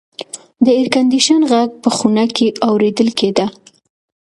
د اېرکنډیشن غږ په خونه کې اورېدل کېده.